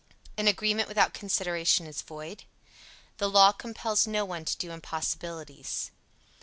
An agreement without consideration is void. The law compels no one to do impossibilities.